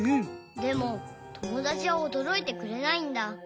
でもともだちはおどろいてくれないんだ。